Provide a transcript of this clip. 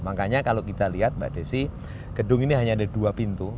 makanya kalau kita lihat mbak desi gedung ini hanya ada dua pintu